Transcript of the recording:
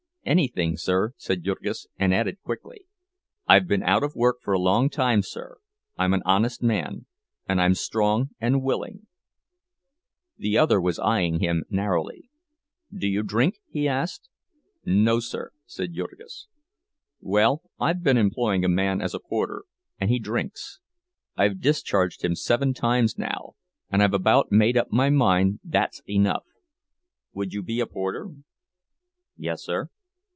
"Anything, sir," said Jurgis, and added quickly: "I've been out of work for a long time, sir. I'm an honest man, and I'm strong and willing—" The other was eying him narrowly. "Do you drink?" he asked. "No, sir," said Jurgis. "Well, I've been employing a man as a porter, and he drinks. I've discharged him seven times now, and I've about made up my mind that's enough. Would you be a porter?" "Yes, sir."